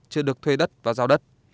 chưa được thuê đất và giao đất